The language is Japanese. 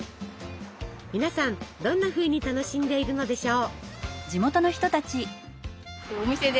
皆さんどんなふうに楽しんでいるのでしょう？